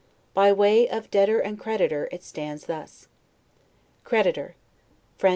By way of debtor and creditor, it stands thus: Creditor. By French Debtor.